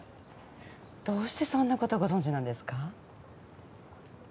どうしてそんなことご存じなんですか？